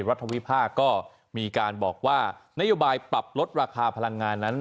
รัฐวิพากษ์ก็มีการบอกว่านโยบายปรับลดราคาพลังงานนั้น